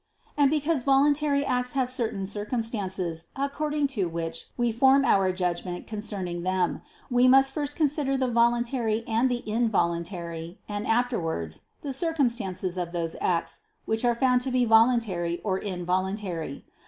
And because voluntary acts have certain circumstances, according to which we form our judgment concerning them, we must first consider the voluntary and the involuntary, and afterwards, the circumstances of those acts which are found to be voluntary or involuntary.